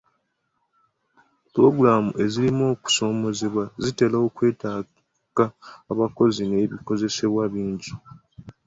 Pulogulaamu ezirimu okusoomoozebwa zitera okwetaaga abakozi n'ebikozesebwa ebingi.